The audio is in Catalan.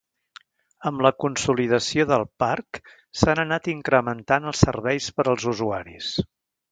Amb la consolidació del Parc s'han anat incrementant els serveis per als usuaris.